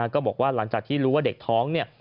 ก็บอกว่าหลังจากที่รู้ว่าเด็กท้องเนี่ย